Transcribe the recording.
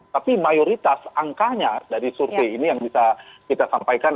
tapi mayoritas angkanya dari survei ini yang bisa kita sampaikan